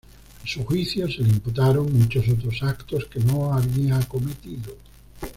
En su juicio se le imputaron muchos otros actos que no había cometido.